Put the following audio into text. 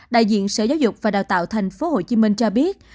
đại diện sở giáo dục và đào tạo tp hcm cho biết